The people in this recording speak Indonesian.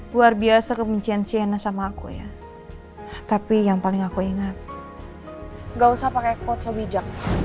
luar biasa kebencian sienna sama aku ya tapi yang paling aku ingat gak usah pakai potso bijak